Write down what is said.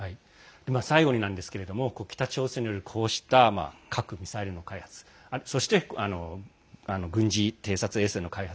最後になんですけど北朝鮮によるこうした核・ミサイルの開発そして、軍事偵察衛星の開発。